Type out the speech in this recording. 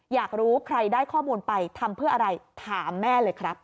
อยากรู้ใครได้ข้อมูลไปทำเพื่ออะไรถามแม่เลยครับ